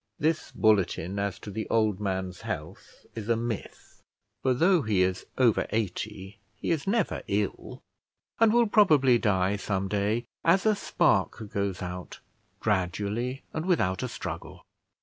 This bulletin as to the old man's health is a myth; for though he is over eighty he is never ill, and will probably die some day, as a spark goes out, gradually and without a struggle.